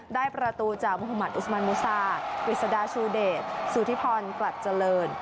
ได้ประตูจากมุหมัติอุสมันมุซากฤษฎาชูเดชสุธิพรกลัดเจริญ